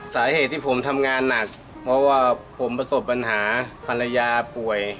สาเหตุที่ผมทำงานหนักเพราะว่าผมประสบปัญหาภรรยาป่วย